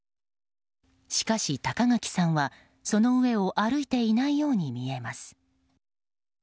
しかし高垣さんはその上を歩いていないように見えます。